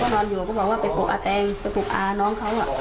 พ่อพ่อนอนอยู่ก็บอกว่าไปปลูกอาแตงไปปลูกอาน้องเขาอ่ะ